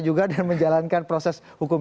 juga dan menjalankan proses hukum